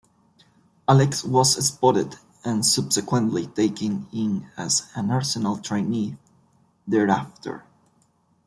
Alex was spotted and subsequently taken in as an Arsenal trainee thereafter.